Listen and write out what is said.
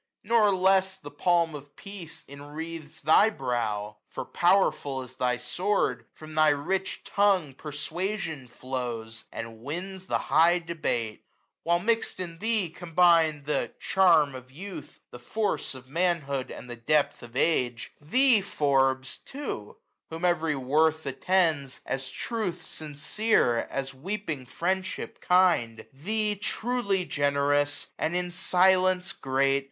JNpr less the palm of peace inwreaths thy brow 5 For, powerful as thy sword, from thy rich tongue Persuasion flows, and wins the high debate; While mixM in thee combine the charm of youth, 94a. The force of manhood, and the depth of age. Thee, Forbes, too, whom every worth attends. As truth sincere, as weeping friendship kind ; Thee, truly generous, and in silence great.